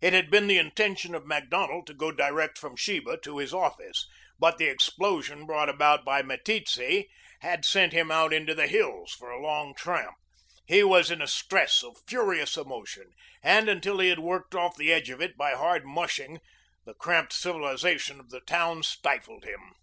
It had been the intention of Macdonald to go direct from Sheba to his office, but the explosion brought about by Meteetse had sent him out into the hills for a long tramp. He was in a stress of furious emotion, and until he had worked off the edge of it by hard mushing, the cramped civilization of the town stifled him.